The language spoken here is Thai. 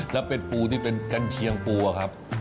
แล้วเป็นปูที่เป็นกัญเชียงปูอะครับ